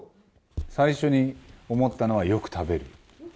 最初に思ったのはよく食べる。